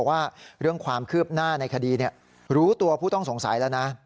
ว่าเรื่องความคืบหน้าในคดีรู้ตัวผู้ต้องสงสัยแล้วนะ